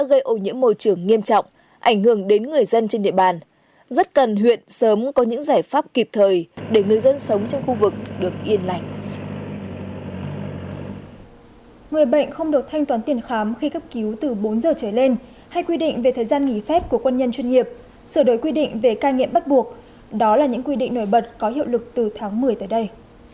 người bệnh không được thanh toán tiền khám khi cấp cứu từ bốn giờ trở lên hay quy định về thời gian nghỉ phép của quân nhân chuyên nghiệp sửa đổi quy định về ca nghiệm bắt buộc đó là những quy định nổi bật có hiệu lực từ tháng một mươi tới đây